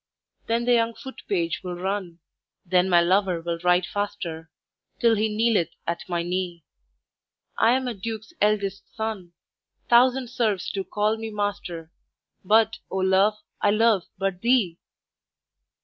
"Then the young foot page will run Then my lover will ride faster, Till he kneeleth at my knee: 'I am a duke's eldest son! Thousand serfs do call me master, But, O Love, I love but _thee!